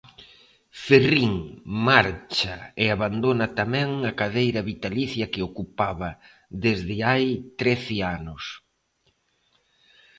Ferrín marcha e abandona tamén a cadeira vitalicia que ocupaba desde hai trece anos.